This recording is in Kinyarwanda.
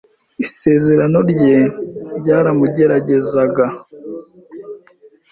Isezerano rye ryaramugeragezaga.”